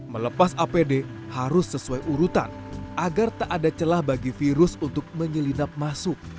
melepas apd harus sesuai urutan agar tak ada celah bagi virus untuk menyelinap masuk